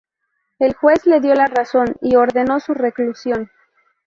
El juez le dio la razón y ordenó su reclusión.